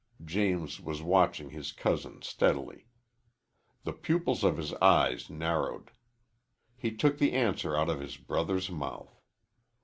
James was watching his cousin steadily. The pupils of his eyes narrowed. He took the answer out of his brother's mouth.